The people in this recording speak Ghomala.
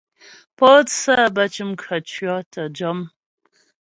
Pǒtsə bə́ cʉm khətʉɔ̌ tə́ jɔm.